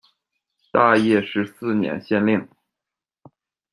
大业十四年县令。